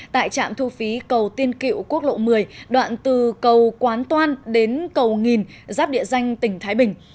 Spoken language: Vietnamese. tại trạm thu phí cầu tiên cựu quốc lộ một mươi đoạn từ cầu quán toan đến cầu nghìn giáp địa danh tỉnh thái bình